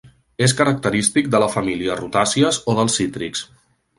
És característic de la família rutàcies o dels cítrics.